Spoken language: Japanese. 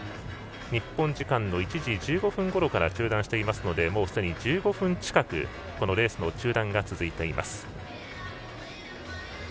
日本時間１時１５分ごろから中断していますのでもうすでに１５分近くレースの中断が続いています。